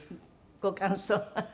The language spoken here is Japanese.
ご感想は？